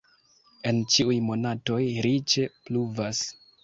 En ĉiuj monatoj riĉe pluvas.